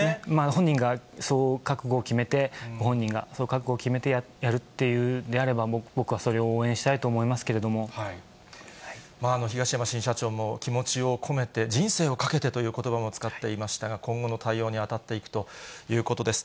本人がそう覚悟を決めて、ご本人がそういう覚悟を決めてやるというのであれば、僕はそれを東山新社長も気持ちを込めて、人生を懸けてということばも使っていましたが、今後の対応に当たっていくということです。